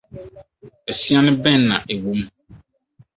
Asiane bɛn na ɛwom?